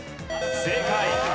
正解。